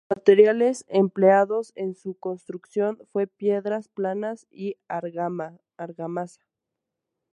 Los materiales empleados en su construcción fue piedras planas y argamasa.